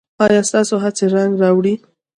ایا ستاسو هڅې رنګ راوړي؟